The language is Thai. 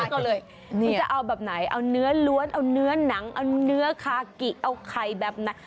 คุณจะเอาแบบไหนเอาเนื้อล้วนเอาเนื้อหนังเอาเนื้อคากิเอาไข่แบบไหน